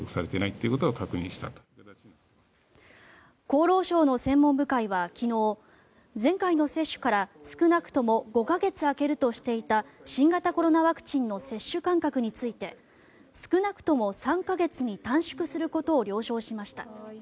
厚労省の専門部会は昨日前回の接種から少なくとも５か月空けるとしていた新型コロナワクチンの接種間隔について少なくとも３か月に短縮することを了承しました。